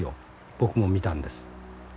僕も見たんです』。